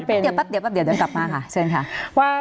เดี๋ยวแป๊บเดี๋ยวกลับมาค่ะเชิญค่ะ